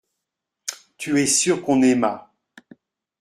Tu es sûr qu’on aima.